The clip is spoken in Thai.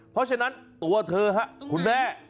เพราะฉะนั้นตัวเธอครับคุณแม่